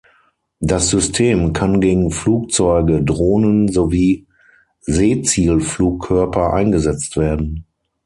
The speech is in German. Das System kann gegen Flugzeuge, Drohnen sowie Seezielflugkörper eingesetzt werden.